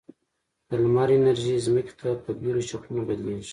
د لمر انرژي ځمکې ته په بېلو شکلونو بدلیږي.